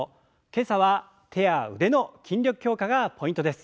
今朝は手や腕の筋力強化がポイントです。